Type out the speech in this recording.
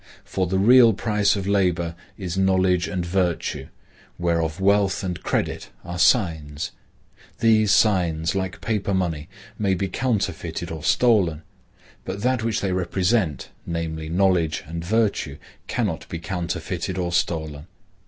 For the real price of labor is knowledge and virtue, whereof wealth and credit are signs. These signs, like paper money, may be counterfeited or stolen, but that which they represent, namely, knowledge and virtue, cannot be counterfeited or stolen.